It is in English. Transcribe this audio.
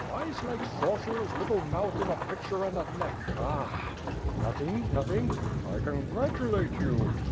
Eyes like saucers, little mouth like a picture and a neck — ^ah!" "Nothing! Nothing!" "I congratulate you!"